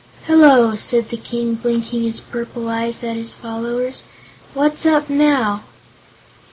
"Hello," said the King, blinking his purple eyes at his followers; "what's up now!"